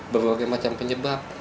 berbagai macam penyebab